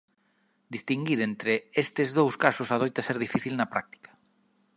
Distinguir entre estes dous casos adoita ser difícil na práctica.